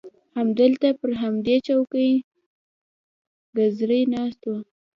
همدلته پر همدې چوکۍ کرزى ناست و.